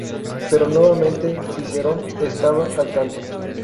Pero nuevamente Cicerón estaba al tanto.